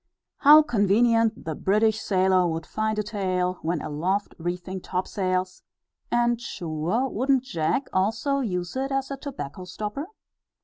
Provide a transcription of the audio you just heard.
How convenient the British sailor would find a tail, when aloft reefing topsails; and, sure, wouldn't Jack also use it as a tobacco stopper?